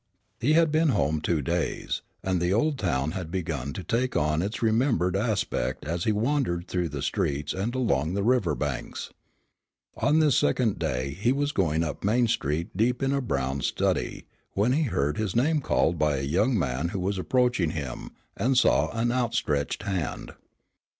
He had been home two days, and the old town had begun to take on its remembered aspect as he wandered through the streets and along the river banks. On this second day he was going up Main street deep in a brown study when he heard his name called by a young man who was approaching him, and saw an outstretched hand.